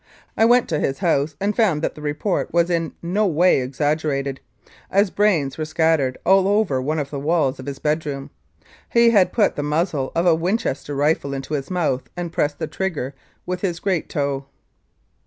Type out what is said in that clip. I went to his house and found that the report was in no way exaggerated, as brains were scattered all over one of the walls of his bedroom. He had put the muzzle of a Winchester rifle into his mouth and pressed the trigger with his great toe.